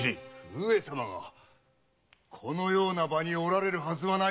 上様がこのような場におられるはずはないわ。